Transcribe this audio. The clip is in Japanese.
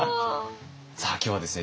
さあ今日はですね